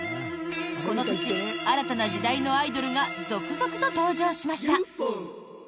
この年、新たな時代のアイドルが続々と登場しました。